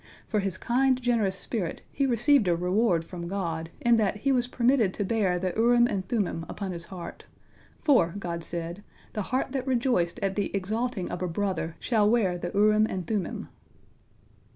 For his kind, generous spirit, he received a reward from God, in that he was permitted to bear the Urim and Thummim upon his heart, "for," God said, "the heart that rejoiced at the exalting of a brother shall wear the Urim and Thummim."